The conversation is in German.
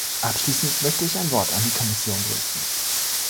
Abschließend möchte ich ein Wort an die Kommission richten.